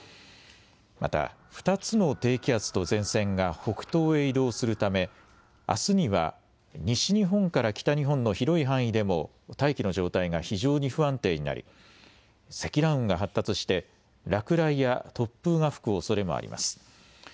また２つの低気圧と前線が北東へ移動するためあすには西日本から北日本の広い範囲でも大気の状態が非常に不安定になり、積乱雲が発達して落雷や突風が吹くおそれもあります。